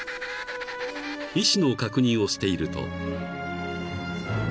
［意思の確認をしていると］